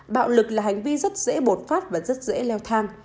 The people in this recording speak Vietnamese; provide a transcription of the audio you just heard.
bạo lực là hành vi rất dễ bột phát và rất dễ leo thang